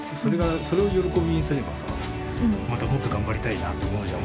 それを喜びにすればさまたもっと頑張りたいなって思うじゃん。